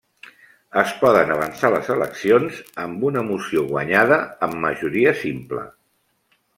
Es poden avançar les eleccions amb una moció guanyada amb majoria simple.